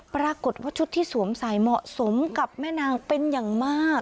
ปรากฏว่าชุดที่สวมใส่เหมาะสมกับแม่นางเป็นอย่างมาก